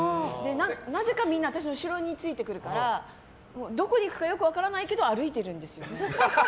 なぜかみんな私の後ろについてくるからどこに行くかよく分からないけど歩いてるんですよね。